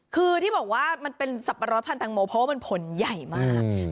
คือที่บอกว่ามันเป็นสับปะรดพันธังโมเพราะว่ามันผลใหญ่มาก